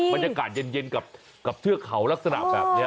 บรรยากาศเย็นกับเทือกเขาลักษณะแบบนี้